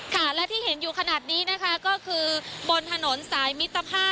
ค่ะและที่เห็นอยู่ขนาดนี้นะคะก็คือบนถนนสายมิตรภาพ